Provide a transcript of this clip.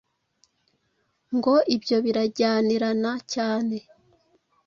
ngo ibyo birajyanirana cyane